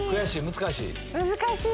難しい？